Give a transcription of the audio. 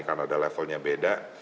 karena ada levelnya beda